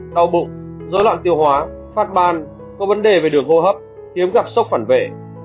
đau bụng dối loạn tiêu hóa phát ban có vấn đề về đường hô hấp kiếm gặp sốc phản vệ